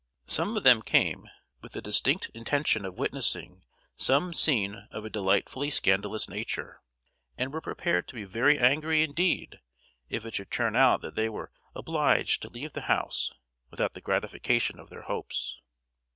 Some of them came with the distinct intention of witnessing some scene of a delightfully scandalous nature, and were prepared to be very angry indeed if it should turn out that they were obliged to leave the house without the gratification of their hopes.